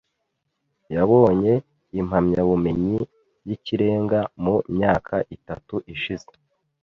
Yabonye impamyabumenyi y'ikirenga mu myaka itatu ishize.